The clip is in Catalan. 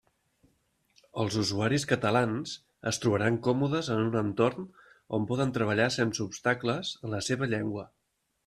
Els usuaris catalans es trobaran còmodes en un entorn on poden treballar sense obstacles en la seva llengua.